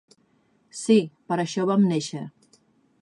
Sí, per això vam néixer.